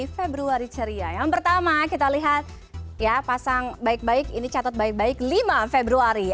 februari ceria yang pertama kita lihat ya pasang baik baik ini catat baik baik lima februari